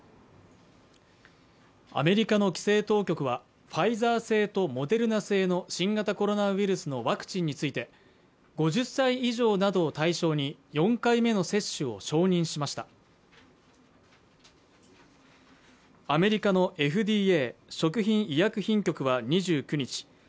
アメリカの規制当局はファイザー製とモデルナ製の新型コロナウイルスのワクチンについて５０歳以上などを対象に４回目の接種を承認しましたアメリカのＦＤＡ＝食品医薬品局は２９日